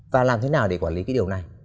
và làm thế nào để quản lý cái điều này